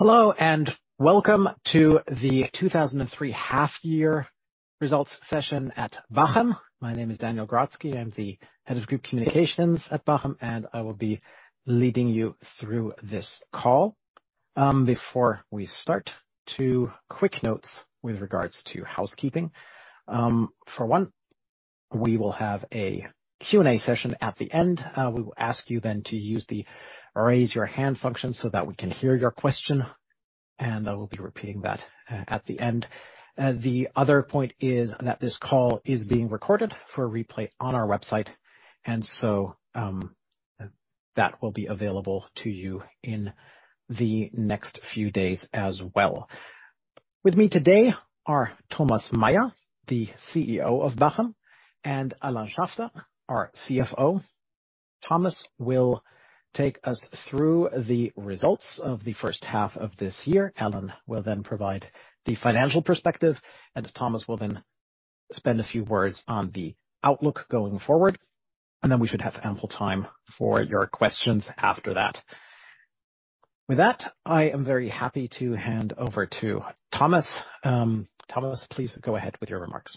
Hello, welcome to the 2003 half year results session at Bachem. My name is Daniel Grotzky. I'm the Head of Group Communications at Bachem, and I will be leading you through this call. Before we start, two quick notes with regards to housekeeping. For one, we will have a Q&A session at the end. We will ask you then to use the raise your hand function so that we can hear your question, and I will be repeating that at the end. The other point is that this call is being recorded for a replay on our website, that will be available to you in the next few days as well. With me today are Thomas Meier, the CEO of Bachem, and Alain Schaffter, our CFO. Thomas will take us through the results of the first half of this year. Alain will then provide the financial perspective, and Thomas will then spend a few words on the outlook going forward, and then we should have ample time for your questions after that. With that, I am very happy to hand over to Thomas. Thomas, please go ahead with your remarks.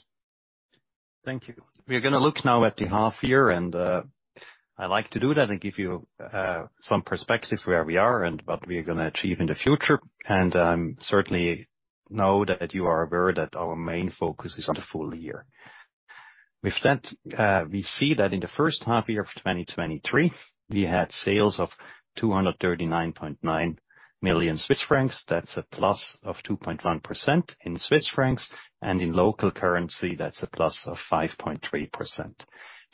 Thank you. We are gonna look now at the half year, and I like to do that and give you some perspective where we are and what we are gonna achieve in the future. Certainly know that you are aware that our main focus is on the full year. With that, we see that in the first half year of 2023, we had sales of 239.9 million Swiss francs. That's a plus of 2.1% in Swiss francs, and in local currency, that's a plus of 5.3%.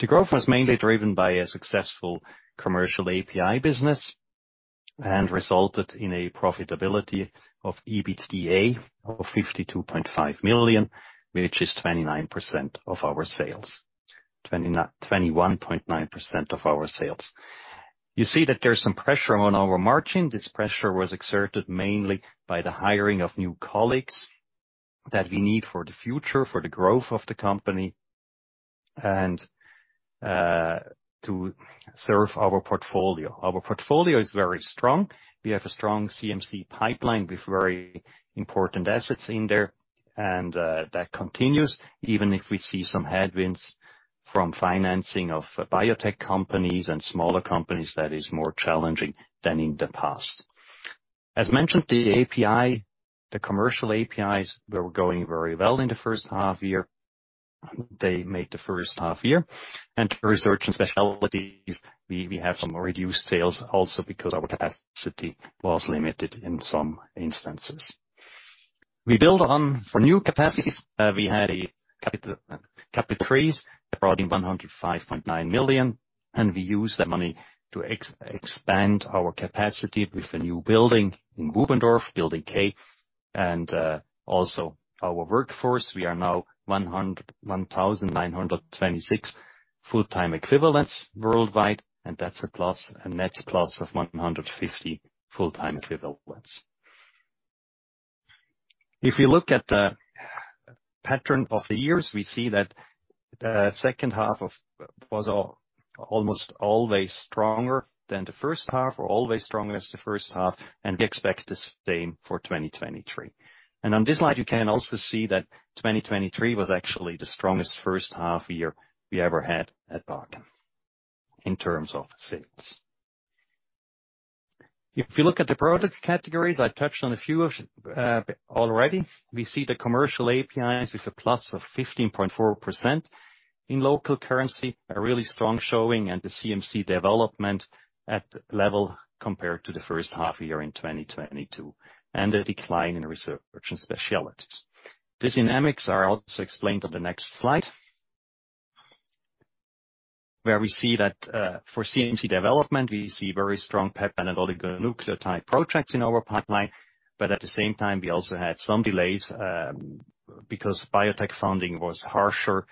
The growth was mainly driven by a successful commercial API business and resulted in a profitability of EBITDA of 52.5 million, which is 21.9% of our sales. You see that there's some pressure on our margin. This pressure was exerted mainly by the hiring of new colleagues that we need for the future, for the growth of the company, and to serve our portfolio. Our portfolio is very strong. We have a strong CMC pipeline with very important assets in there, and that continues, even if we see some headwinds from financing of biotech companies and smaller companies, that is more challenging than in the past. As mentioned, the API, the commercial APIs, were going very well in the first half year. They made the first half year, and Research & Specialties, we have some reduced sales also because our capacity was limited in some instances. We build on for new capacities. We had a capital increase, approximately 105.9 million. We used that money to expand our capacity with a new building in Bubendorf, Building K. Also our workforce, we are now 1,926 full-time equivalents worldwide, that's a net plus of 150 full-time equivalents. If you look at the pattern of the years, we see that the second half of... was almost always stronger than the first half or always stronger as the first half. We expect the same for 2023. On this slide, you can also see that 2023 was actually the strongest first half year we ever had at Bachem in terms of sales. If you look at the product categories, I touched on a few of already. We see the commercial APIs with a plus of 15.4%. In local currency, a really strong showing and the CMC development at level compared to the first half year in 2022, and a decline in Research & Specialties. The dynamics are also explained on the next slide, where we see that, for CMC development, we see very strong peptide and oligonucleotide projects in our pipeline, but at the same time, we also had some delays, because biotech funding was harsher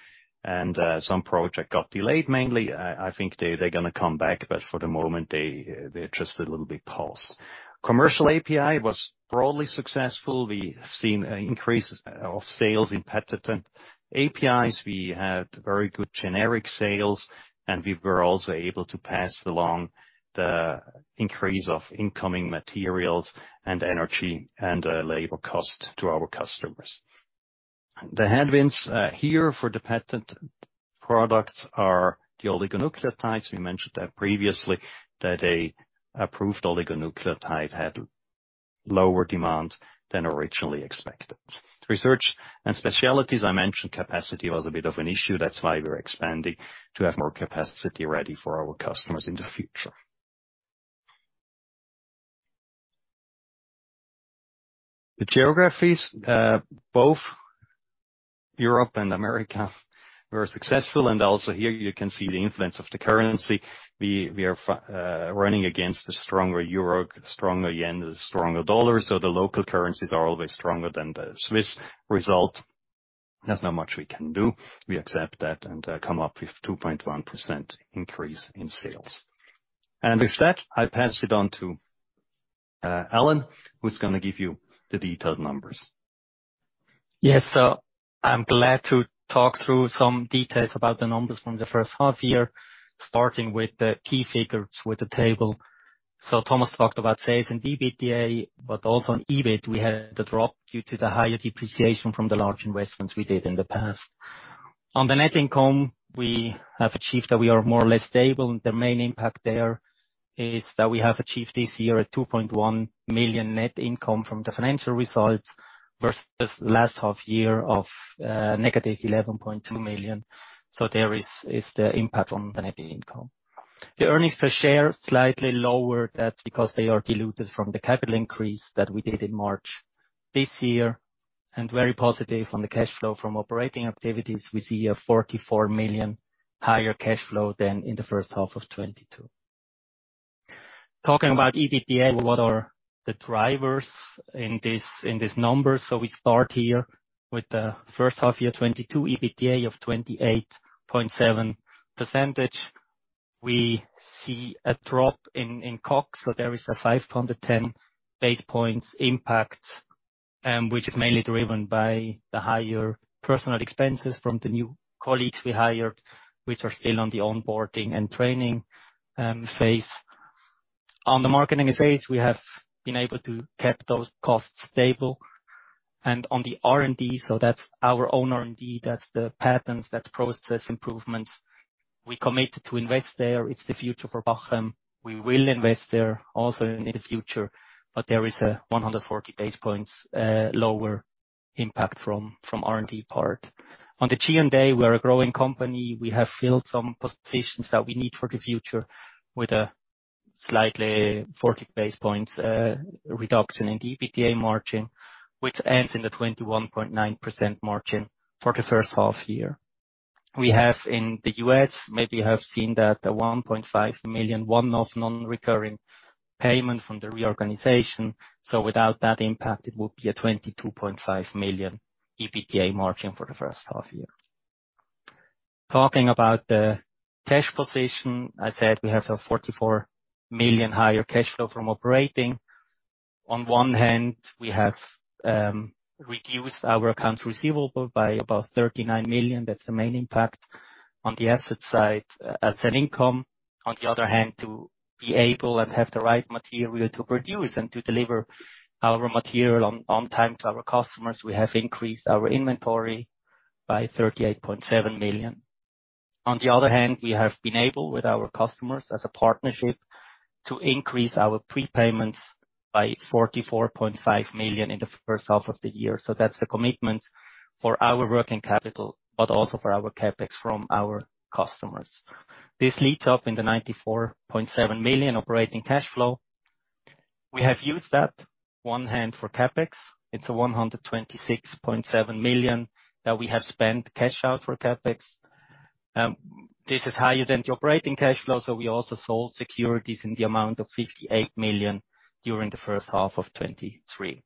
and, some project got delayed. Mainly, I, I think they, they're gonna come back, but for the moment, they, they're just a little bit paused. Commercial API was broadly successful. We have seen an increase of sales in patented APIs. We had very good generic sales, and we were also able to pass along the increase of incoming materials and energy and labor cost to our customers. The headwinds here for the patent products are the oligonucleotides. We mentioned that previously, that a approved oligonucleotide had lower demand than originally expected. Research & Specialties, I mentioned capacity was a bit of an issue. That's why we're expanding, to have more capacity ready for our customers in the future. The geographies, both Europe and America, were successful, and also here you can see the influence of the currency. We are running against the stronger Euro, stronger yen, and the stronger dollar, so the local currencies are always stronger than the Swiss result. There's not much we can do. We accept that and come up with 2.1% increase in sales. With that, I pass it on to Alain, who's gonna give you the detailed numbers. Yes, I'm glad to talk through some details about the numbers from the first half year, starting with the key figures with the table. Thomas talked about sales and EBITDA, but also on EBIT, we had a drop due to the higher depreciation from the large investments we did in the past. On the net income, we have achieved that we are more or less stable, and the main impact there is that we have achieved this year a 2.1 million net income from the financial results, versus last half year of negative 11.2 million. There is the impact on the net income. The earnings per share slightly lower. That's because they are diluted from the capital increase that we did in March this year. Very positive on the cash flow from operating activities, we see a 44 million higher cash flow than in the first half of 2022. Talking about EBITDA, what are the drivers in this number? We start here with the first half year 2022 EBITDA of 28.7%. We see a drop in COGS. There is a 510 basis points impact, which is mainly driven by the higher personal expenses from the new colleagues we hired, which are still on the onboarding and training phase. On the marketing phase, we have been able to keep those costs stable. On the R&D, that's our own R&D, that's the patents, that's process improvements. We committed to invest there. It's the future for Bachem. We will invest there also in the future. There is a 140 basis points lower impact from R&D part. On the G&A, we are a growing company. We have filled some positions that we need for the future with a slightly 40 basis points reduction in the EBITDA margin, which ends in the 21.9% margin for the first half year. We have in the U.S., maybe you have seen that, a 1.5 million, one-off non-recurring payment from the reorganization. Without that impact, it would be a 22.5 million EBITDA margin for the first half year. Talking about the cash position, I said we have a 44 million higher cash flow from operating. On one hand, we have reduced our accounts receivable by about 39 million. That's the main impact on the asset side as an income. To be able and have the right material to produce and to deliver our material on, on time to our customers, we have increased our inventory by 38.7 million. We have been able, with our customers as a partnership, to increase our prepayments by 44.5 million in the first half of the year. That's the commitment for our working capital, but also for our CapEx from our customers. This leads up in the 94.7 million operating cash flow. We have used that, one hand, for CapEx. It's a 126.7 million that we have spent cash out for CapEx. This is higher than the operating cash flow, so we also sold securities in the amount of 58 million during the first half of 2023.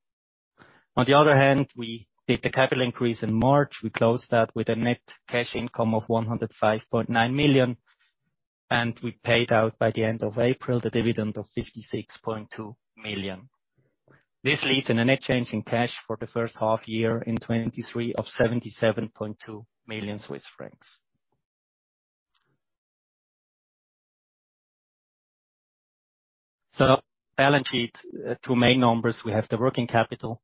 On the other hand, we did the capital increase in March. We closed that with a net cash income of 105.9 million, and we paid out, by the end of April, the dividend of 56.2 million. This leads in a net change in cash for the first half year in 2023 of 77.2 million Swiss francs. Balance sheet, two main numbers. We have the working capital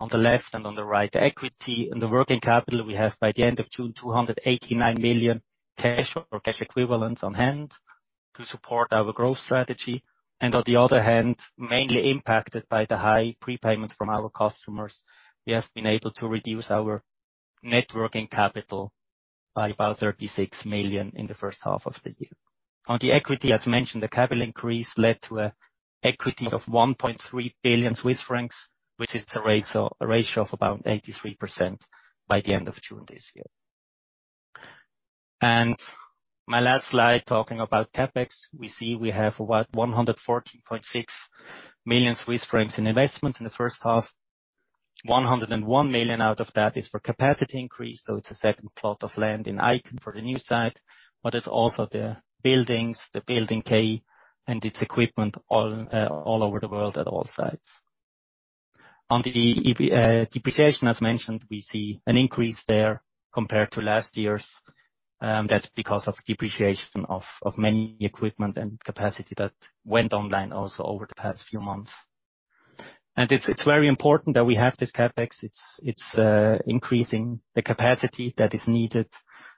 on the left and on the right, equity. In the working capital, we have, by the end of June, 289 million cash or cash equivalents on hand to support our growth strategy. On the other hand, mainly impacted by the high prepayment from our customers, we have been able to reduce our net working capital by about 36 million Swiss francs in the first half of the year. On the equity, as mentioned, the capital increase led to a equity of 1.3 billion Swiss francs, which is to raise a ratio of about 83% by the end of June this year. My last slide, talking about CapEx. We see we have 114.6 million Swiss francs in investments in the first half. 101 million Swiss francs out of that is for capacity increase, so it's a second plot of land in Eiken for the new site. But it's also the buildings, the Building K, and its equipment all over the world at all sites. On the depreciation, as mentioned, we see an increase there compared to last year's. That's because of depreciation of many equipment and capacity that went online also over the past few months. It's very important that we have this CapEx. It's increasing the capacity that is needed,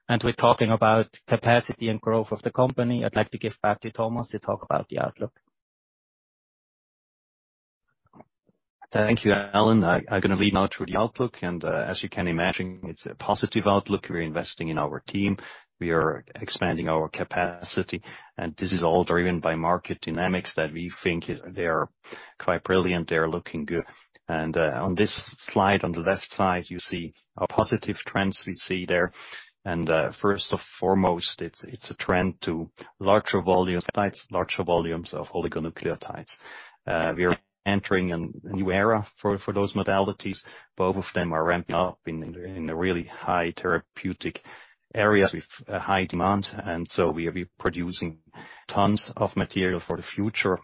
and we're talking about capacity and growth of the company. I'd like to give back to Thomas to talk about the outlook. Thank you, Alain. I'm gonna lead now through the outlook, as you can imagine, it's a positive outlook. We're investing in our team, we are expanding our capacity, this is all driven by market dynamics that we think they are quite brilliant. They are looking good. On this slide, on the left side, you see a positive trends we see there, first and foremost, it's a trend to larger volume sites, larger volumes of oligonucleotides. We are entering a new era for those modalities. Both of them are ramping up in a really high therapeutic areas with high demand, so we are be producing tons of material for the future,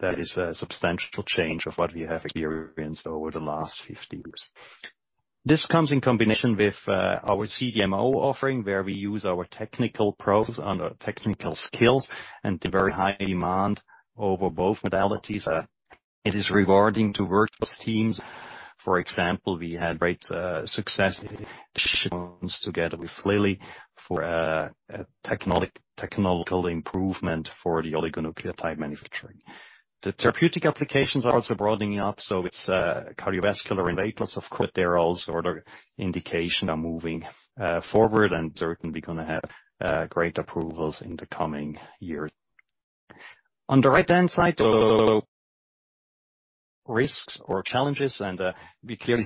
that is a substantial change of what we have experienced over the last 50 years. This comes in combination with our CDMO offering, where we use our technical pros and technical skills and the very high demand over both modalities. It is rewarding to work with teams. For example, we had great success together with Lilly for a technological improvement for the oligonucleotide manufacturing. The therapeutic applications are also broadening up, so it's cardiovascular and, plus, of course, there are also other indication are moving forward and certainly gonna have great approvals in the coming years. On the right-hand side, the risks or challenges, and be clear,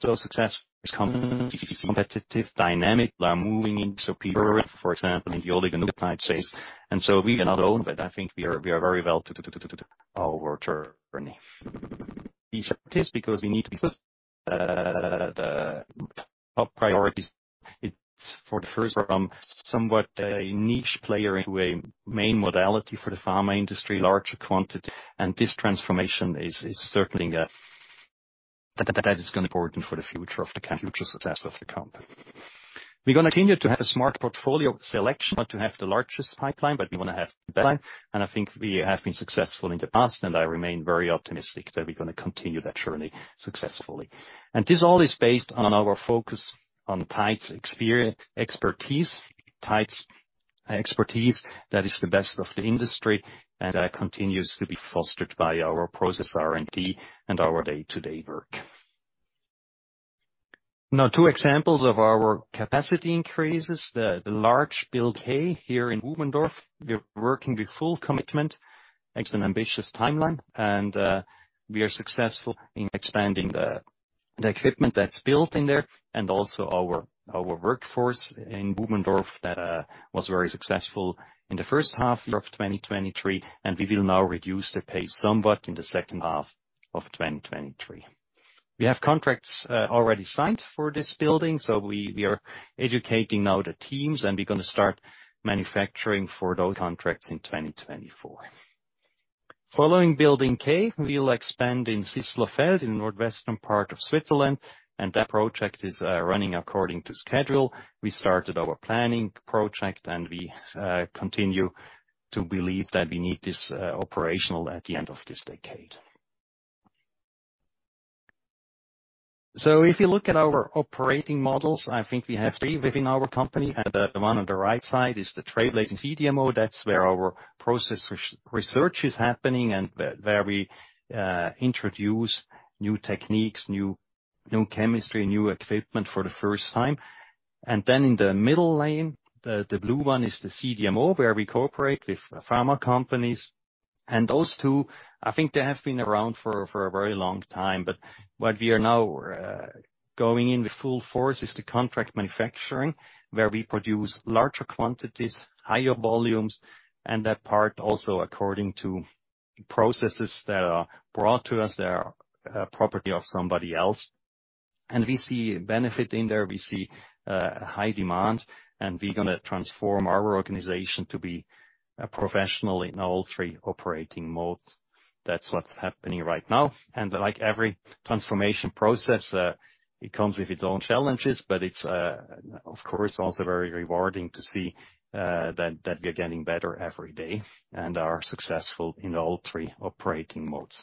so success is coming, competitive dynamic are moving in superior, for example, in the oligonucleotide space. We are alone, but I think we are, we are very well to our journey. This because we need to be top priorities. It's for the first from somewhat a niche player into a main modality for the pharma industry, larger quantity, this transformation is certainly that is gonna important for the future of the future success of the company. We're gonna continue to have a smart portfolio selection, but to have the largest pipeline, but we wanna have better. I think we have been successful in the past, and I remain very optimistic that we're gonna continue that journey successfully. This all is based on our focus on tight expertise, tight expertise that is the best of the industry and continues to be fostered by our process, R&D, and our day-to-day work. Now, two examples of our capacity increases, the large Build K here in Bubendorf. We're working with full commitment, makes an ambitious timeline, we are successful in expanding the equipment that's built in there, also our workforce in Bubendorf that was very successful in the first half year of 2023, we will now reduce the pace somewhat in the second half of 2023. We have contracts already signed for this building, we are educating now the teams, we're gonna start manufacturing for those contracts in 2024. Following Building K, we'll expand in Sisslerfeld, in northwestern part of Switzerland, that project is running according to schedule. We started our planning project, we continue to believe that we need this operational at the end of this decade. If you look at our operating models, I think we have three within our company. The one on the right side is the trailblazing CDMO. That's where our process research is happening and where we introduce new techniques, new chemistry, new equipment for the first time. Then in the middle lane, the blue one is the CDMO, where we cooperate with pharma companies. Those two, I think they have been around for a very long time, but what we are now going in with full force is the contract manufacturing, where we produce larger quantities, higher volumes, and that part also according to processes that are brought to us, that are property of somebody else. We see benefit in there. We see high demand, and we're gonna transform our organization to be a professional in all three operating modes. That's what's happening right now. Like every transformation process, it comes with its own challenges, but it's of course, also very rewarding to see that we are getting better every day and are successful in all three operating modes.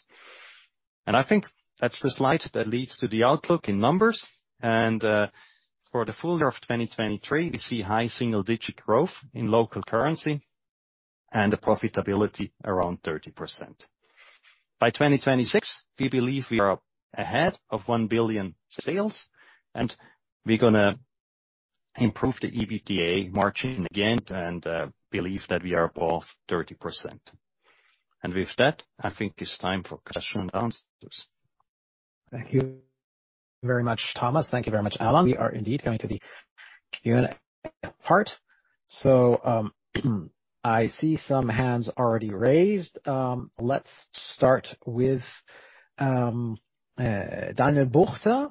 I think that's the slide that leads to the outlook in numbers. For the full year of 2023, we see high single-digit growth in local currency and a profitability around 30%. By 2026, we believe we are ahead of 1 billion sales, and we're gonna improve the EBITDA margin again and believe that we are above 30%. With that, I think it's time for question and answers. Thank you very much, Thomas. Thank you very much, Alain. We are indeed going to the Q&A part. I see some hands already raised. Let's start with Daniel Jelovcan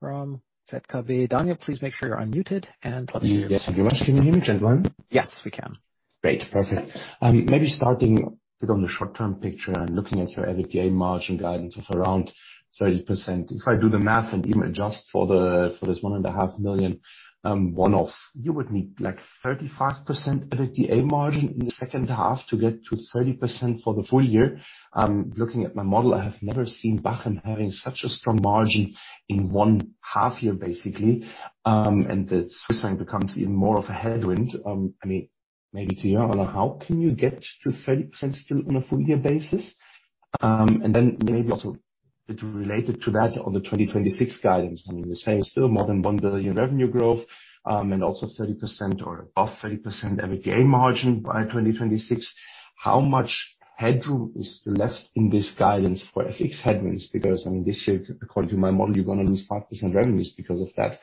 from ZKB. Daniel, please make sure you're unmuted, and proceed. Yes, thank you very much. Can you hear me, gentlemen? Yes, we can. Great. Perfect. Maybe starting bit on the short-term picture and looking at your EBITDA margin guidance of around 30%. If I do the math and even adjust for the, for this one and a half million, one-off, you would need, like, 35% EBITDA margin in the second half to get to 30% for the full year. Looking at my model, I have never seen Bachem having such a strong margin in one half year, basically. The Swiss franc becomes even more of a headwind. I mean, maybe to you, Alain, how can you get to 30% still on a full year basis? Maybe also bit related to that on the 2026 guidance, I mean, you're saying still more than 1 billion revenue growth, and also 30% or above 30% EBITDA margin by 2026. How much headroom is left in this guidance for FX headwinds? I mean, this year, according to my model, you're gonna lose 5% revenues because of that.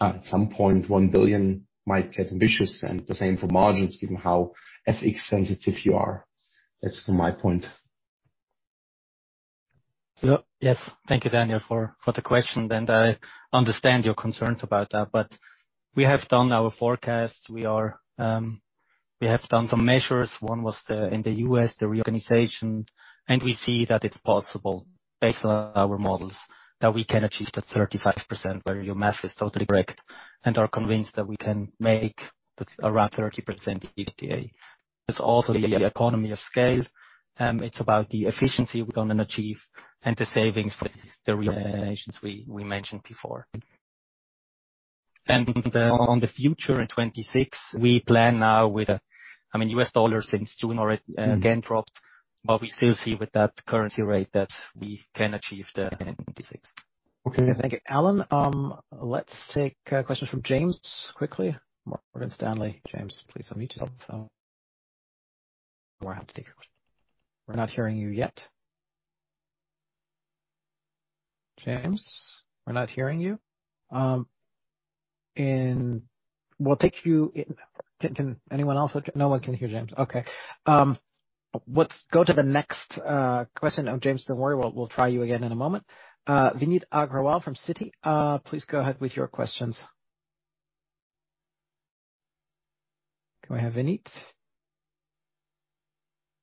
At some point, 1 billion might get ambitious, and the same for margins, given how FX sensitive you are. That's my point. Yes, thank you, Daniel, for the question, and I understand your concerns about that, but we have done our forecast. We have done some measures. One was the, in the U.S., the reorganization, and we see that it's possible, based on our models, that we can achieve the 35%, where your math is totally correct, and are convinced that we can make around 30% EBITDA. It's also the economy of scale, it's about the efficiency we're gonna achieve and the savings for the reorganizations we mentioned before. On the future, in 2026, we plan now with U.S. dollars since June already, again, dropped, but we still see with that currency rate that we can achieve the 2026. Okay, thank you. Alain, let's take questions from James Quigley, Morgan Stanley. James, please unmute yourself. I have to take your question. We're not hearing you yet. James, we're not hearing you. We'll take you in... Can anyone else-- No one can hear James? Okay. Let's go to the next question. Oh, James, don't worry. We'll, we'll try you again in a moment. Vineet Agarwal from Citi, please go ahead with your questions. Do I have Vineet?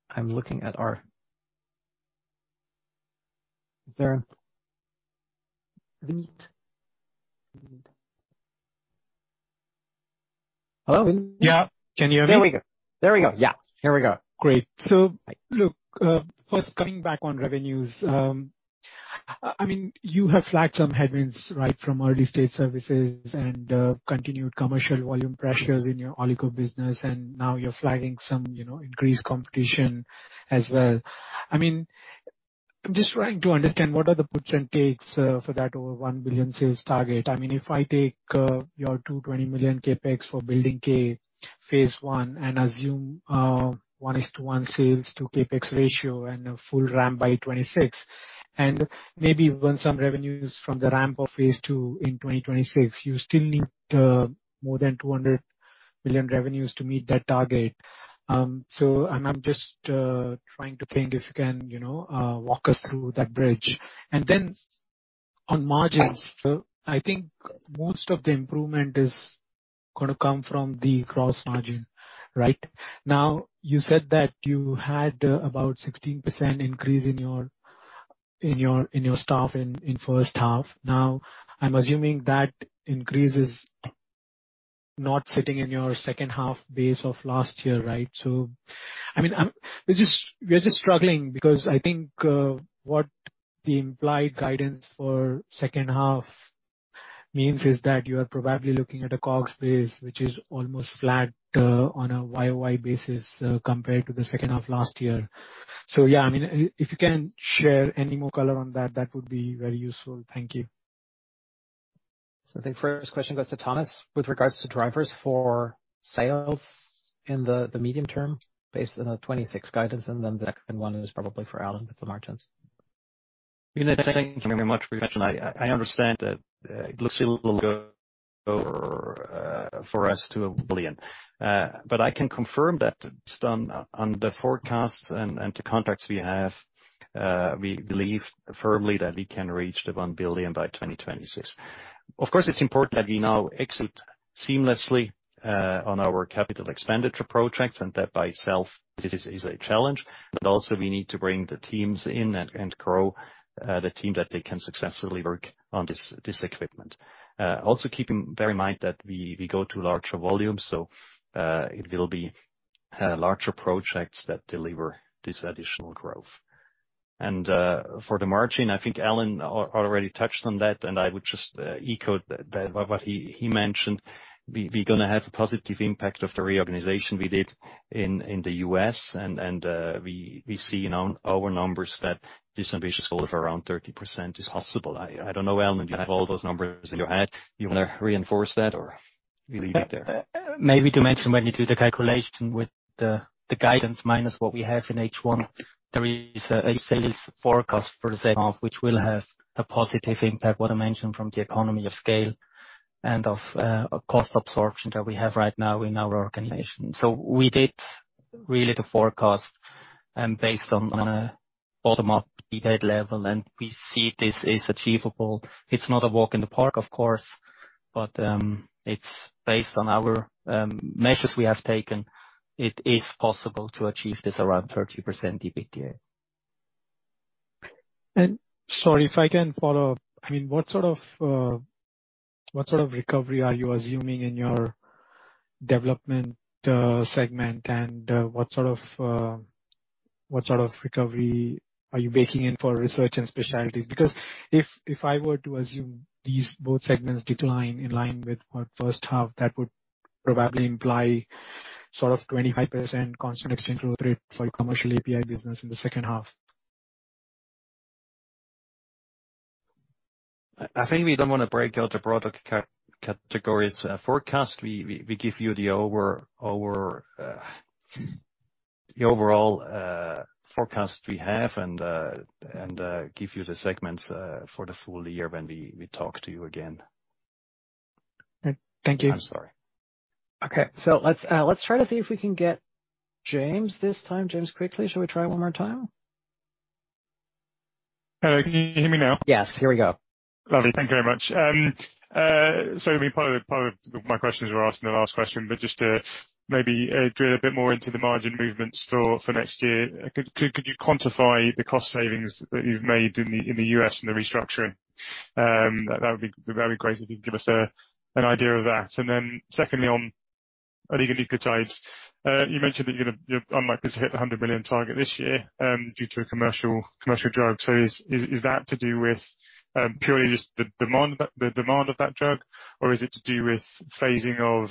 I'm looking at our... Is there a Vineet? Hello? Yeah. Can you hear me? There we go. There we go. Yeah, here we go. Great. Look, first, coming back on revenues, I mean, you have flagged some headwinds, right, from early stage services and continued commercial volume pressures in your oligo business, and now you're flagging some, you know, increased competition as well. I mean, I'm just trying to understand, what are the puts and takes for that over 1 billion sales target? I mean, if I take your 220 million CapEx for Building K phase one and assume a one is to one sales to CapEx ratio and a full ramp by 2026, and maybe even some revenues from the ramp of phase two in 2026, you still need more than 200 billion revenues to meet that target. I'm just trying to think if you can, you know, walk us through that bridge. Then on margins, I think most of the improvement is gonna come from the gross margin, right? Now, you said that you had about 16% increase in your staff in first half. Now, I'm assuming that increase is not sitting in your second half base of last year, right? I mean, we are just struggling because I think what the implied guidance for second half means is that you are probably looking at a COGS base, which is almost flat on a YOY basis compared to the second half of last year. Yeah, I mean, if you can share any more color on that, that would be very useful. Thank you. I think first question goes to Thomas with regards to drivers for sales in the medium term, based on the 2026 guidance, and then the second one is probably for Alain, with the margins. Vineet, thank you very much for your question. I understand that it looks a little low for us to 1 billion. I can confirm that based on the forecasts and the contracts we have, we believe firmly that we can reach the 1 billion by 2026. Of course, it's important that we now execute seamlessly on our capital expenditure projects, and that by itself is a challenge. Also we need to bring the teams in and grow the team, that they can successfully work on this equipment. Also keeping very much that we go to larger volumes, it will be larger projects that deliver this additional growth. For the margin, I think Alain already touched on that, and I would just echo that, what he mentioned. We're gonna have a positive impact of the reorganization we did in the U.S., and we see in our numbers that this ambitious goal of around 30% is possible. I don't know, Alain, you have all those numbers in your head. You want to reinforce that or leave it there? Maybe to mention, when you do the calculation with the, the guidance minus what we have in H1, there is a sales forecast for the second half, which will have a positive impact, what I mentioned from the economy of scale and of cost absorption that we have right now in our organization. We did really the forecast, based on a bottom-up detail level, and we see this is achievable. It's not a walk in the park, of course, but it's based on our measures we have taken. It is possible to achieve this around 30% EBITDA. Sorry, if I can follow up. I mean, what sort of, what sort of recovery are you assuming in your development segment? What sort of, what sort of recovery are you baking in for Research & Specialties? Because if, if I were to assume these both segments decline in line with our first half, that would probably imply sort of 25% constant exchange growth rate for your commercial API business in the second half. I think we don't want to break out the product categories forecast. We give you the overall forecast we have, and give you the segments for the full year when we talk to you again. Thank you. I'm sorry. Okay. Let's try to see if we can get James this time. James Quigley, shall we try one more time? Hello, can you hear me now? Yes. Here we go. Lovely. Thank you very much. Part of my questions were asked in the last question, but just to maybe drill a bit more into the margin movements for next year, could you quantify the cost savings that you've made in the U.S. and the restructuring? That'd be great if you could give us an idea of that. Secondly, on oligonucleotides, you mentioned that you're unlikely to hit the 100 million target this year due to a commercial drug. Is that to do with purely just the demand of that drug? Or is it to do with phasing of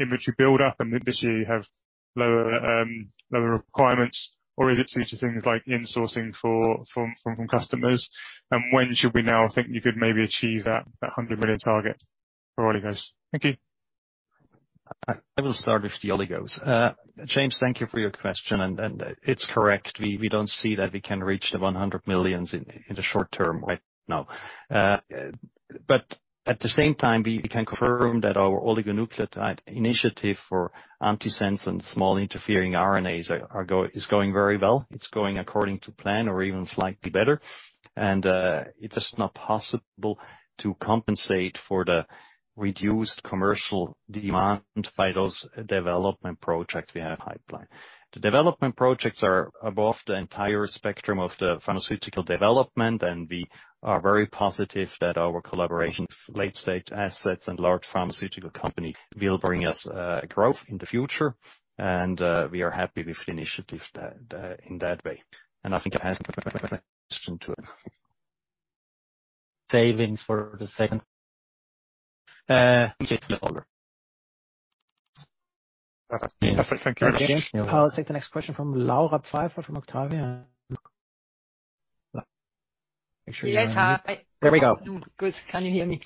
inventory buildup, and this year you have lower requirements? Is it due to things like insourcing for, from customers? When should we now think you could maybe achieve that, that 100 million target for oligos? Thank you. I will start with the oligos. James, thank you for your question, and it's correct. We don't see that we can reach the 100 million in the short term right now. At the same time, we can confirm that our oligonucleotide initiative for antisense and small interfering RNAs is going very well. It's going according to plan or even slightly better. It's just not possible to compensate for the reduced commercial demand by those development projects we have pipelined. The development projects are above the entire spectrum of the pharmaceutical development. We are very positive that our collaboration with late-stage assets and large pharmaceutical company will bring us growth in the future. We are happy with the initiatives that in that way. I think I answered the question, too. Savings for the second, Perfect. Thank you very much. I'll take the next question from Laura Pfeifer from Octavian. Yes, hi- There we go. Good. Can you hear me?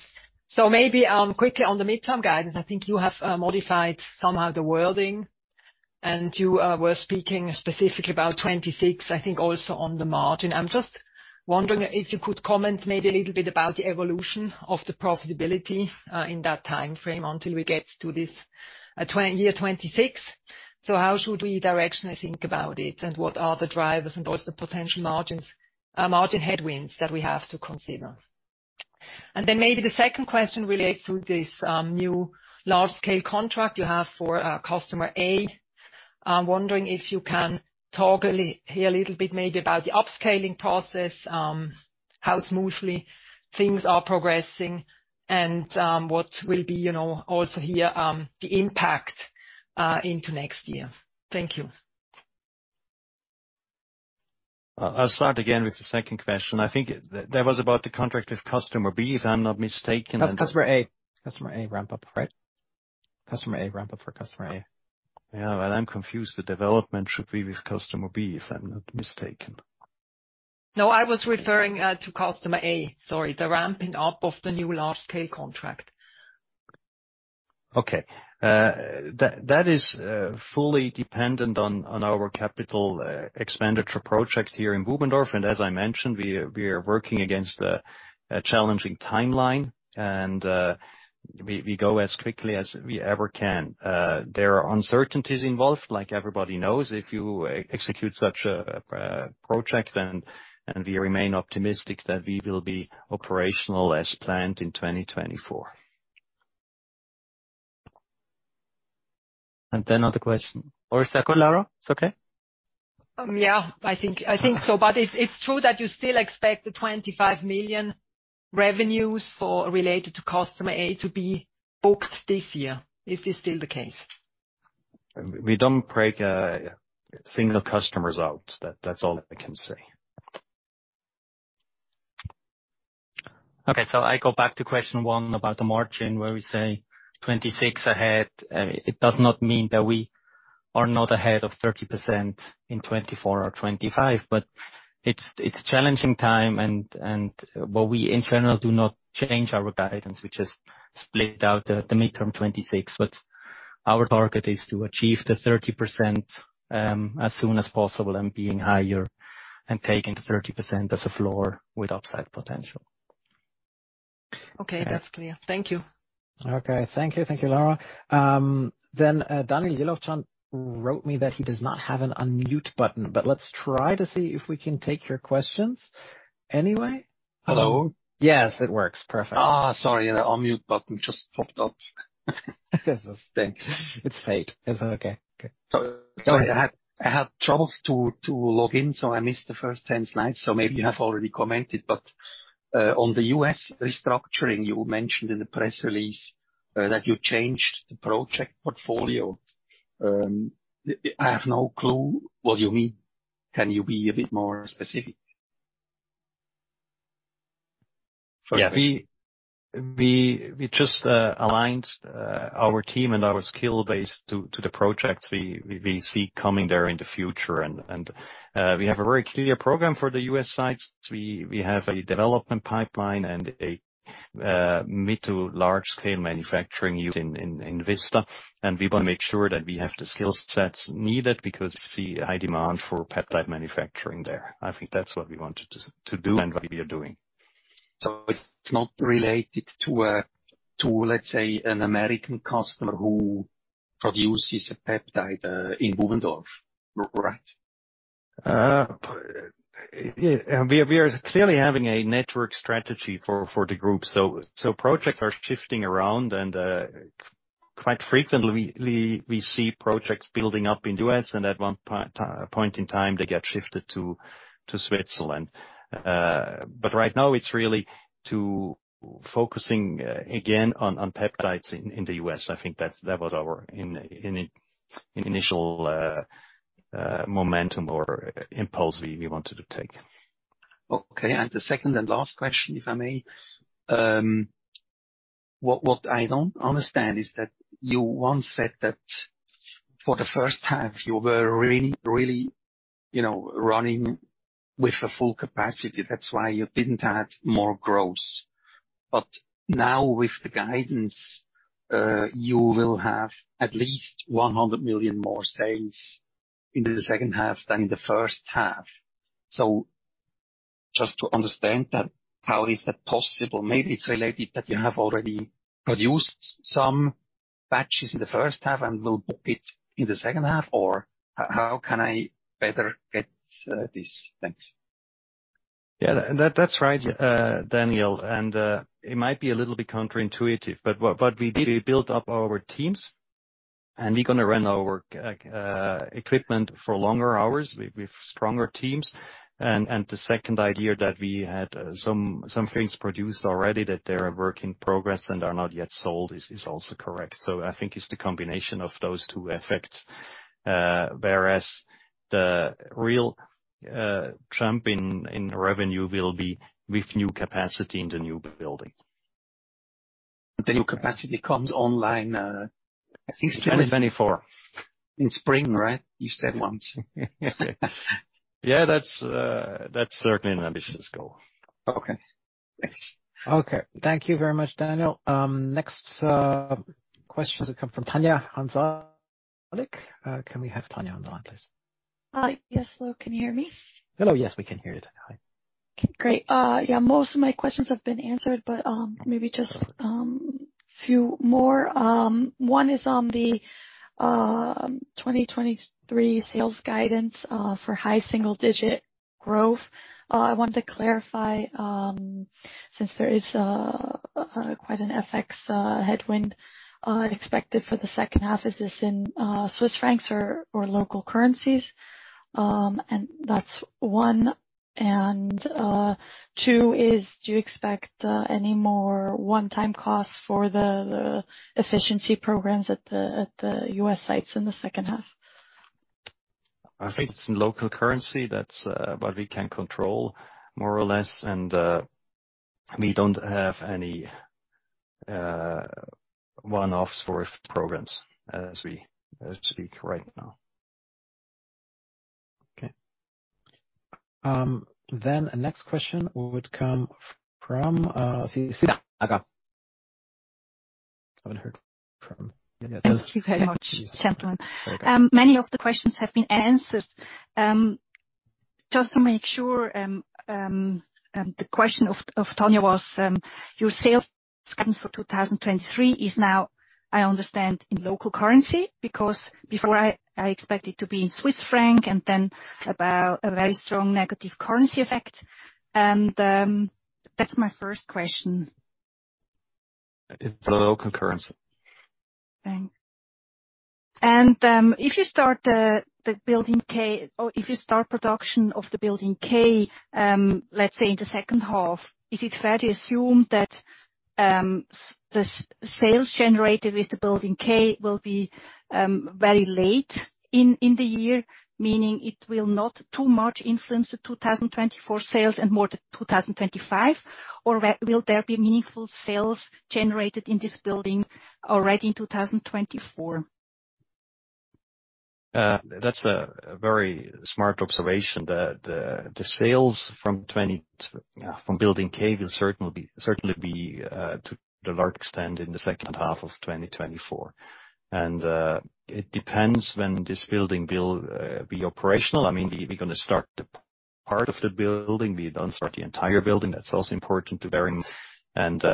Maybe quickly on the midterm guidance, I think you have modified somehow the wording, and you were speaking specifically about 26, I think also on the margin. I'm just wondering if you could comment maybe a little bit about the evolution of the profitability in that time frame, until we get to this year 26. How should we directionally think about it, and what are the drivers and also the potential margins, margin headwinds that we have to consider? Then maybe the second question relates to this new large-scale contract you have for customer A. I'm wondering if you can talk here a little bit, maybe about the upscaling process, how smoothly things are progressing, and what will be, you know, also here, the impact into next year. Thank you. I'll start again with the second question. I think that was about the contract with Customer B, if I'm not mistaken. Customer A. Customer A ramp-up, right? Customer A, ramp-up for Customer A. Yeah, well, I'm confused. The development should be with customer B, if I'm not mistaken. No, I was referring, to customer A, sorry, the ramping up of the new large-scale contract. Okay. That is fully dependent on our capital expenditure project here in Bubendorf. As I mentioned, we are working against a challenging timeline, and we go as quickly as we ever can. There are uncertainties involved. Like everybody knows, if you execute such a project, and we remain optimistic that we will be operational as planned in 2024. Other question, or is that cool, Laura? It's okay? I think so. It's true that you still expect 25 million revenues for related to customer A to be booked this year. Is this still the case? We don't break, single customer results. That's all I can say. Okay, I go back to question one about the margin, where we say 26 ahead. It does not mean that we are not ahead of 30% in 2024 or 2025, but it's challenging time. We, in general, do not change our guidance. We just split out the midterm 26, but our target is to achieve the 30% as soon as possible, and being higher and taking 30% as a floor with upside potential. Okay. That's clear. Thank you. Okay. Thank you. Thank you, Laura. Then, Daniel Jelovcan wrote me that he does not have an unmute button, but let's try to see if we can take your questions anyway. Hello? Yes, it works. Perfect. Sorry, the unmute button just popped up. Thanks. It's fake. It's okay. Good. Sorry, I had troubles to log in, so I missed the first 10 slides, so maybe you have already commented. On the U.S. restructuring, you mentioned in the press release that you changed the project portfolio. I have no clue what you mean. Can you be a bit more specific? First, we just aligned our team and our skill base to the projects we see coming there in the future. We have a very clear program for the U.S. sites. We have a development pipeline and a mid to large-scale manufacturing unit in Vista, and we want to make sure that we have the skill sets needed, because we see high demand for peptide manufacturing there. I think that's what we wanted to do and what we are doing. It's not related to to, let's say, an American customer who produces a peptide, in Bubendorf, right? Yeah, we are clearly having a network strategy for the group. Projects are shifting around, and quite frequently, we see projects building up in the U.S., and at one point in time, they get shifted to Switzerland. Right now it's really to focusing again on peptides in the U.S. I think that's, that was our initial momentum or impulse we wanted to take. The second and last question, if I may. What I don't understand is that you once said that for the first half, you were really, you know, running with a full capacity. That's why you didn't add more growth. Now with the guidance, you will have at least 100 million more sales in the second half than in the first half. Just to understand that, how is that possible? Maybe it's related, that you have already produced some batches in the first half and will book it in the second half, or how can I better get these things? Yeah, that, that's right, Daniel. It might be a little bit counterintuitive, but we did, we built up our teams, and we're gonna run our equipment for longer hours with stronger teams. The second idea that we had some things produced already, that they are work in progress and are not yet sold, is also correct. I think it's the combination of those two effects, whereas the real jump in revenue will be with new capacity in the new building. The new capacity comes online. 2024. In spring, right? You said once. Yeah, that's, that's certainly an ambitious goal. Okay. Thanks. Okay. Thank you very much, Daniel. Next, question will come from Tanya Hansalik. Can we have Tanya on the line, please? Hi. Yes. Hello, can you hear me? Hello, yes, we can hear you, Tanya. Great. Yeah, most of my questions have been answered, but maybe just a few more. One is on the 2023 sales guidance for high single digit growth. I want to clarify, since there is a quite an FX headwind expected for the second half, is this in Swiss francs or local currencies? That's one. Two is: do you expect any more one-time costs for the efficiency programs at the U.S. sites in the second half? I think it's in local currency. That's what we can control more or less. We don't have any one-offs for programs as we speak right now. Okay. The next question would come from Sisa Aga. Haven't heard from Sisa Aga. Thank you very much, gentlemen. Many of the questions have been answered. Just to make sure, the question of Tanya was, your sales guidance for 2023 is now, I understand, in local currency, because before I expect it to be in Swiss franc, and then about a very strong negative currency effect? That's my first question. It's a local currency. Thanks. If you start production of the Building K, let's say in the second half, is it fair to assume that the sales generated with the Building K will be very late in the year, meaning it will not too much influence the 2024 sales and more to 2025? Will there be meaningful sales generated in this building already in 2024? That's a, a very smart observation. The sales from Building K will certainly be to the large extent, in the second half of 2024. It depends when this building will be operational. I mean, we're gonna start the part of the building. We don't start the entire building. That's also important to bear in mind.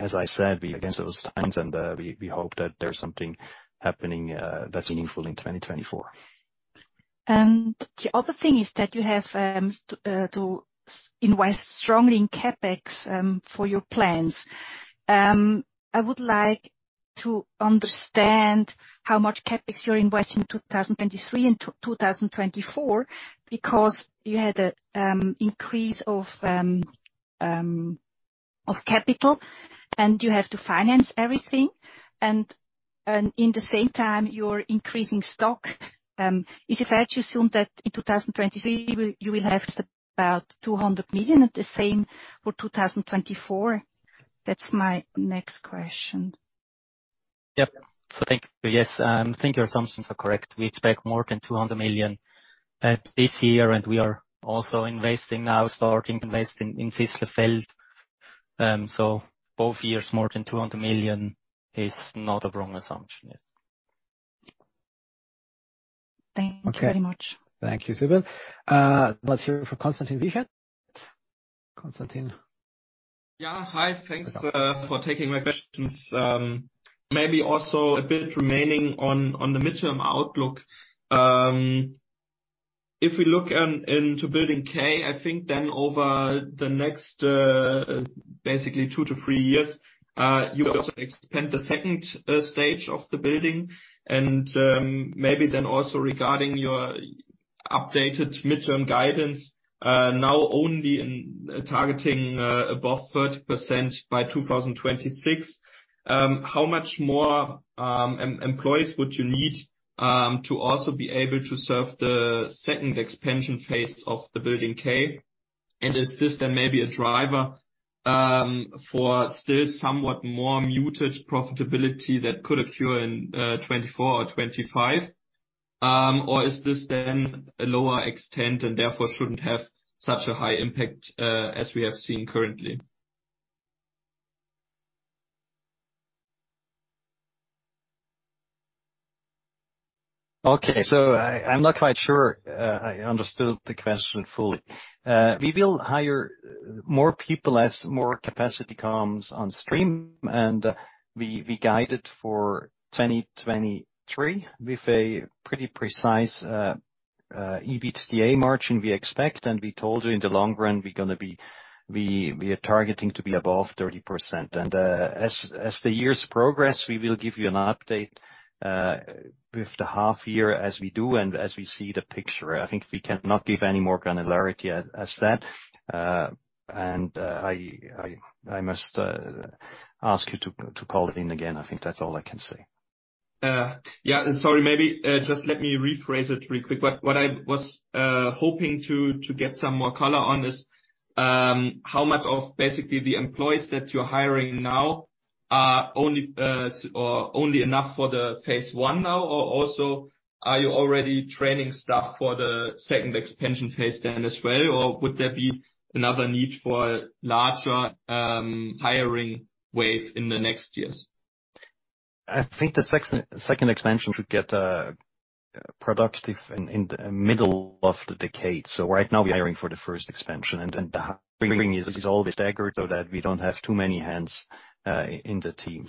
As I said, we against those times, and we hope that there's something happening, that's meaningful in 2024. The other thing is that you have to invest strongly in CapEx for your plans. I would like to understand how much CapEx you invest in 2023 and 2024, because you had an increase of capital, and you have to finance everything. In the same time, you're increasing stock. Is it fair to assume that in 2023, you will have about 200 million at the same for 2024? That's my next question. Yep. Thank you. Yes, I think your assumptions are correct. We expect more than 200 million this year, and we are also investing now, starting to invest in Sisslerfeld. Both years, more than 200 million is not a wrong assumption. Yes. Thank you very much. Okay. Thank you, Sybil. let's hear from Konstantin Wicha. Konstantin? Yeah. Hi, thanks for taking my questions, maybe also a bit remaining on the midterm outlook. If we look on into Building K, I think then over the next basically two to three years, you also expand the second stage of the building. Maybe then also regarding your updated midterm guidance, now only in targeting above 30% by 2026, how much more employees would you need to also be able to serve the second expansion phase of Building K? Is this then maybe a driver for still somewhat more muted profitability that could occur in 2024 or 2025? Is this then a lower extent and therefore shouldn't have such a high impact as we have seen currently? Okay. I'm not quite sure I understood the question fully. We will hire more people as more capacity comes on stream, we guided for 2023 with a pretty precise EBITDA margin we expect. We told you in the long run, we are targeting to be above 30%. As the years progress, we will give you an update with the half year as we do and as we see the picture. I think we cannot give any more granularity as that. I must ask you to call it in again. I think that's all I can say. Yeah, sorry. Maybe, just let me rephrase it real quick. What I was hoping to get some more color on is how much of basically the employees that you're hiring now are only or only enough for the phase one now? Also, are you already training staff for the second expansion phase then as well, or would there be another need for larger hiring wave in the next years? I think the second expansion should get productive in the middle of the decade. Right now, we're hiring for the first expansion, and the hiring is always staggered so that we don't have too many hands in the team.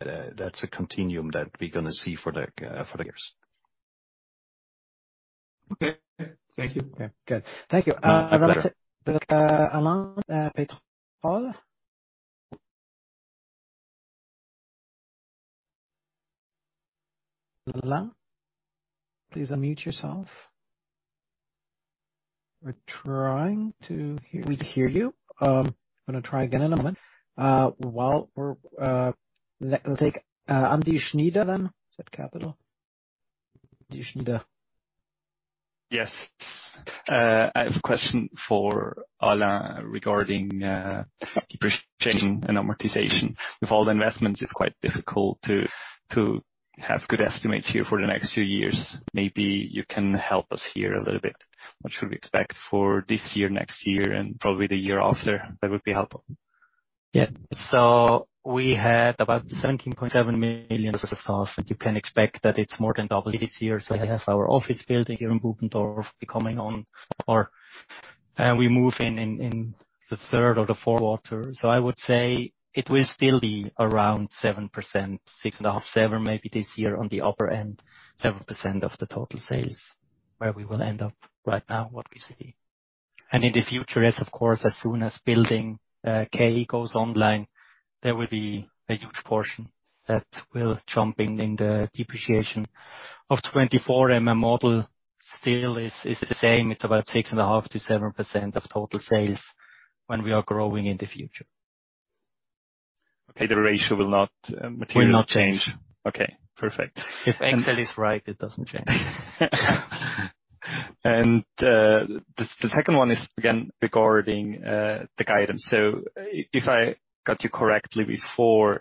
That's a continuum that we're gonna see for the years. Okay. Thank you. Yeah. Good. Thank you. You're welcome. Alain Trétal? Alain, please unmute yourself. We're trying to hear you. I'm gonna try again in a moment. While we're, we'll take Andy Schneider then. Is that Capital? Andy Schneider. Yes. I have a question for Alain regarding depreciation and amortization. With all the investments, it's quite difficult to have good estimates here for the next few years. Maybe you can help us here a little bit. What should we expect for this year, next year, and probably the year after? That would be helpful. Yeah. We had about 17.7 million as a staff. You can expect that it's more than double this year, I have our office building here in Bubendorf be coming on, or we move in the third or the fourth quarter. I would say it will still be around 7%, 6.5%, 7% maybe this year on the upper end, 7% of the total sales, where we will end up right now, what we see. In the future, yes, of course, as soon as Building K goes online, there will be a huge portion that will jump in the depreciation. Of 2024, my model still is the same, it's about 6.5%-7% of total sales when we are growing in the future. Okay. The ratio will not materially- Will not change. Okay, perfect. If Excel is right, it doesn't change. The second one is, again, regarding the guidance. If I understood you correctly before,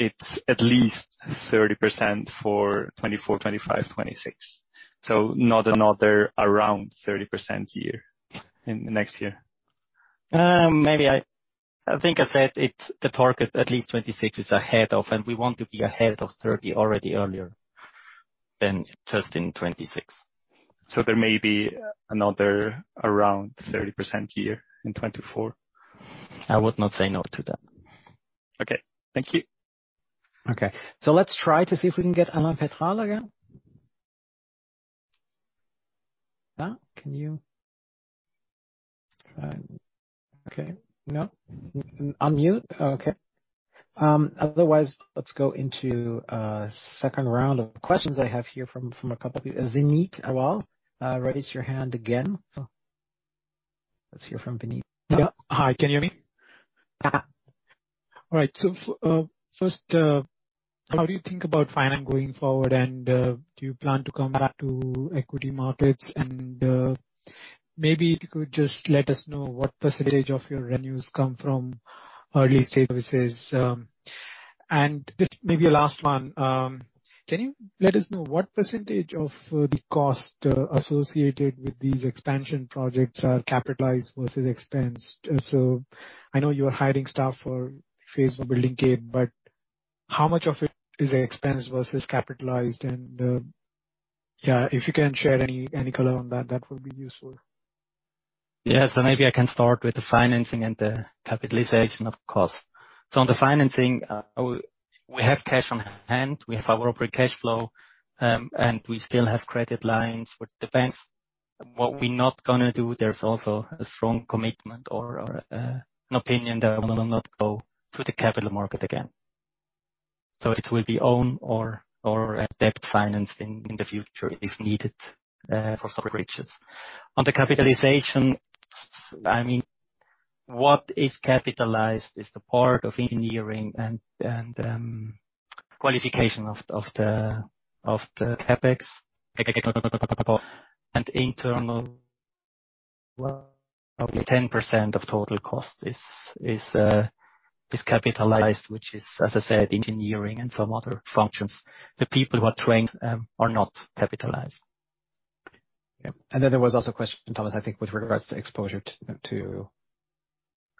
it's at least 30% for 2024, 2025, 2026. Not another around 30% year in the next year? Maybe I think I said it's the target, at least 26, is ahead of, and we want to be ahead of 30 already earlier than just in 26. There may be another around 30% year in 2024? I would not say no to that. Okay. Thank you. Okay. let's try to see if we can get Alain Trétal again. Alain, can you... okay. No? Unmute. Okay. otherwise, let's go into a second round of questions I have here from, from a couple of people. Vineet Agrawal, raise your hand again. Let's hear from Vineet. Yeah. Hi, can you hear me? Yeah. All right. First, how do you think about finance going forward, and do you plan to come back to equity markets? Maybe you could just let us know what % of your revenues come from early-stage services. Just maybe a last one, can you let us know what % of the cost associated with these expansion projects are capitalized versus expensed? I know you are hiring staff for phase of Building K, but how much of it is an expense versus capitalized? Yeah, if you can share any color on that, that would be useful. Maybe I can start with the financing and the capitalization of costs. On the financing, we have cash on hand, we have our operating cash flow, we still have credit lines with the banks. What we're not gonna do, there's also a strong commitment or an opinion that I will not go to the capital market again. It will be own or a debt financing in the future, if needed, for some reaches. On the capitalization, I mean, what is capitalized is the part of engineering and qualification of the CapEx. Internal, probably 10% of total cost is capitalized, which is, as I said, engineering and some other functions. The people who are trained are not capitalized. Yeah. Then there was also a question, Thomas, I think with regards to exposure to, to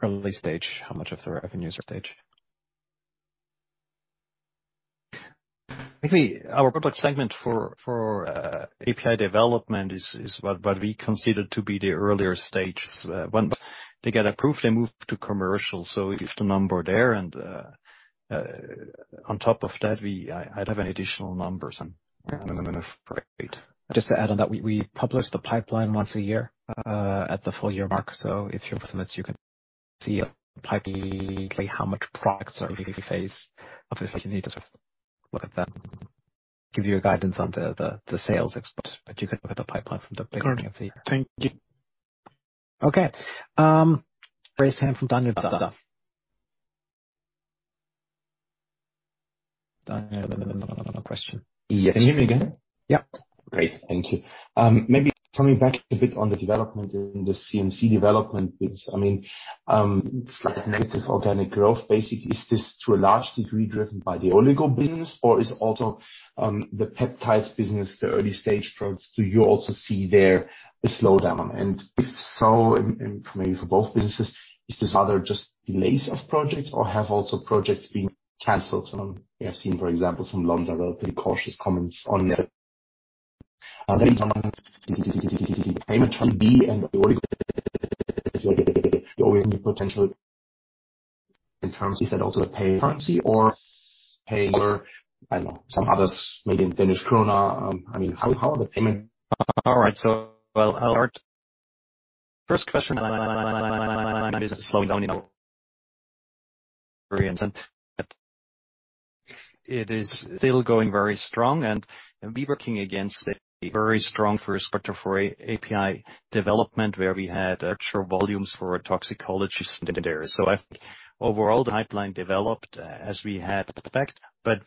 early stage, how much of the revenues are stage? Maybe our product segment for API development is what we consider to be the earlier stages. Once they get approved, they move to commercial. If the number there, on top of that, I'd have any additional numbers, and I'm gonna wait. Just to add on that, we publish the pipeline once a year at the full year mark. If you're with us, you can see a pipeline, how much products are in the phase. Obviously, you need to look at them, give you a guidance on the sales expert, but you can look at the pipeline from the beginning of the year. Thank you. Okay, raise hand from Daniel. Daniel, question. Yes. Can you hear me again? Yeah. Great, thank you. Maybe coming back a bit on the development in the CMC development, which, I mean, it's like a negative organic growth. Basically, is this to a large degree driven by the oligo business, or is also, the peptides business, the early stage products, do you also see there a slowdown? If so, and maybe for both businesses, is this rather just delays of projects or have also projects been canceled? We have seen, for example, from Lonza, relatively cautious comments on the, you always need potential in terms of is that also a pay currency or pay, I don't know, some others, maybe in Danish krone. I mean, how are the payment? All right. Well, first question, slowing down in our... It is still going very strong, and we're working against a very strong first quarter for a API development, where we had actual volumes for toxicology there. Overall, the pipeline developed as we had expected.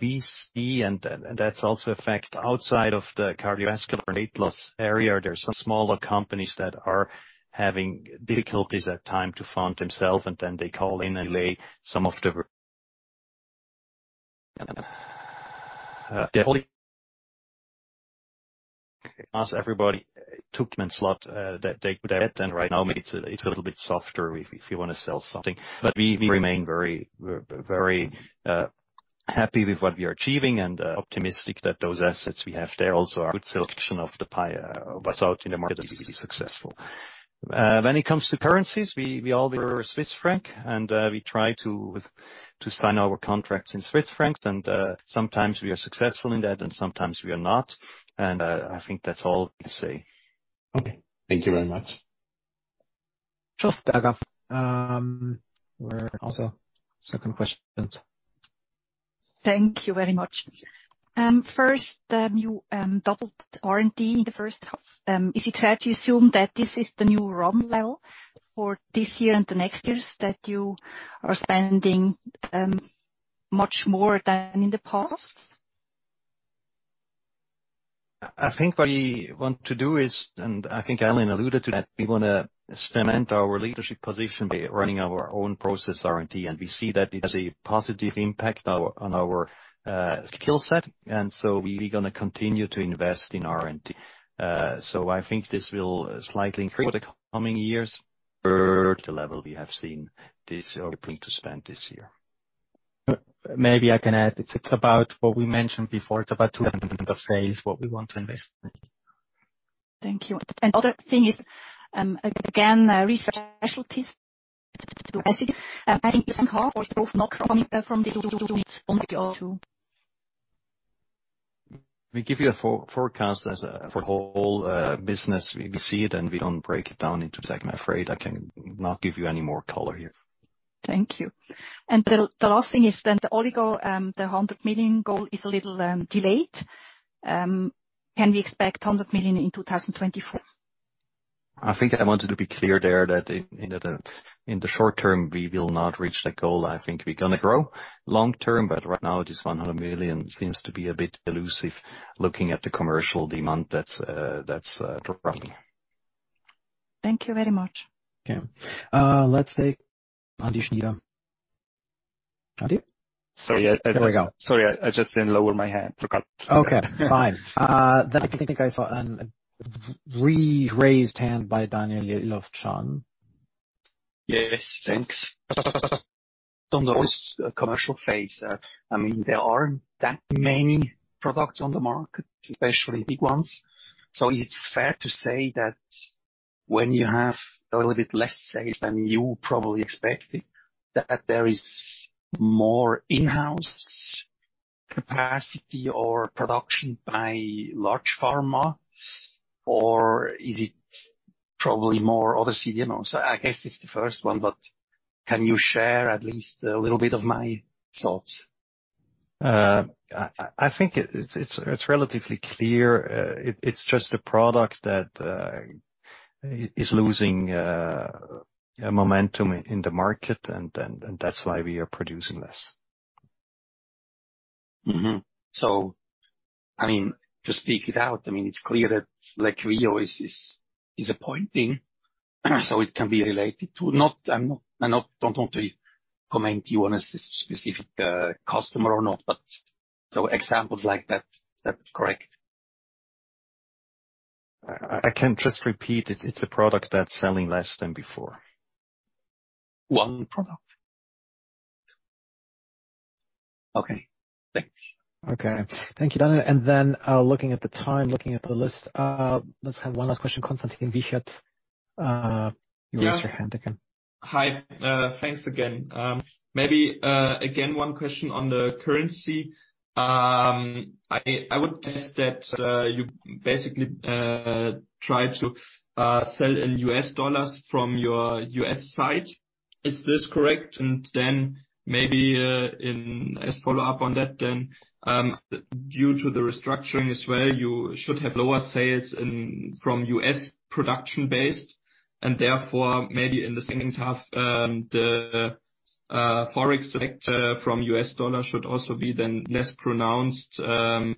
We see, and that's also a fact, outside of the cardiovascular and weight loss area, there are some smaller companies that are having difficulties at time to fund themselves, and then they call in and delay some of the ... as everybody took slot that they could get, and right now it's, it's a little bit softer if, if you want to sell something. We remain very, very happy with what we are achieving and optimistic that those assets we have there also are good selection of the pie, but out in the market is successful. When it comes to currencies, we all were Swiss franc, and we try to sign our contracts in Swiss francs, and sometimes we are successful in that and sometimes we are not. I think that's all I can say. Okay. Thank you very much. We're also second questions. Thank you very much. First, you doubled R&D in the first half. Is it fair to assume that this is the new run level for this year and the next years, that you are spending much more than in the past? I think what we want to do is, and I think Allen alluded to that, we wanna cement our leadership position by running our own process, R&D, and we see that it has a positive impact on our skill set, and so we're gonna continue to invest in R&D. I think this will slightly increase for the coming years, or the level we have seen this year, hoping to spend this year. Maybe I can add, it's about what we mentioned before. It's about 200 phase, what we want to invest. Thank you. The other thing is, again, Research & Specialties. Do I see this coming from this too? We give you a forecast as a for the whole business. We see it, and we don't break it down into segment. I'm afraid I cannot give you any more color here. Thank you. The last thing is then the oligo, the 100 million goal is a little delayed. Can we expect 100 million in 2024? I think I wanted to be clear there that in the short term, we will not reach that goal. I think we're gonna grow long term. Right now, this 100 million seems to be a bit elusive, looking at the commercial demand, that's the problem. Thank you very much. Okay. Let's take Andy Schneider. Andy? Sorry, yeah. There we go. Sorry, I just didn't lower my hand. Forgot. Okay, fine. I think I saw an re-raised hand by Daniel Jelovcan. Yes, thanks. On this, commercial phase, I mean, there aren't that many products on the market, especially big ones. Is it fair to say that when you have a little bit less sales than you probably expected, that there is more in-house capacity or production by large pharma? Or is it probably more other CDMOs? I guess it's the first one, but can you share at least a little bit of my thoughts? I think it's relatively clear. It's just a product that is losing a momentum in the market, and that's why we are producing less. I mean, to speak it out, I mean, it's clear that [like Rio] is disappointing, so it can be related to. I don't want to comment you on a specific customer or not, but so examples like that, is that correct? I can just repeat, it's a product that's selling less than before. One product? Okay, thanks. Okay. Thank you, Daniel. Looking at the time, looking at the list, let's have one last question. Konstantin Wicha, you raised your hand again. Hi, thanks again. Maybe, again, one question on the currency. I would test that you basically try to sell in U.S. dollars from your U.S. site. Is this correct? Maybe, in as follow-up on that, due to the restructuring as well, you should have lower sales in from U.S. production base, and therefore, maybe in the second half, the Forex effect from U.S. dollar should also be then less pronounced than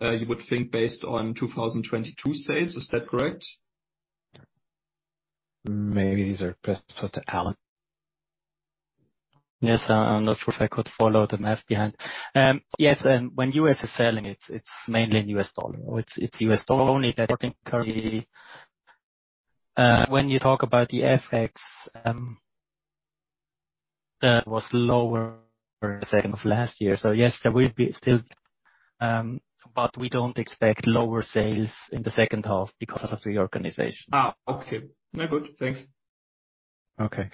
you would think, based on 2022 sales. Is that correct? Maybe these are best for Alain. Yes, I'm not sure if I could follow the math behind. When U.S. is selling, it's mainly in U.S. dollar. It's U.S. dollar only that currently, when you talk about the FX, that was lower second of last year. Yes, there will be still, but we don't expect lower sales in the second half because of the organization. Okay. No, good. Thanks. Okay.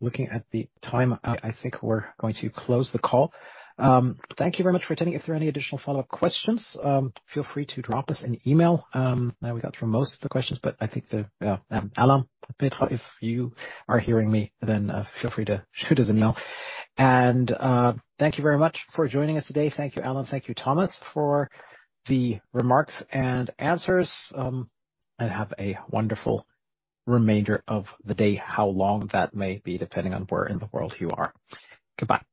Looking at the time, I think we're going to close the call. Thank you very much for attending. If there are any additional follow-up questions, feel free to drop us an email. Now, we got through most of the questions, but I think the Alain, if you are hearing me, feel free to shoot us an email. Thank you very much for joining us today. Thank you, Alain. Thank you, Thomas, for the remarks and answers. Have a wonderful remainder of the day. How long that may be, depending on where in the world you are. Goodbye.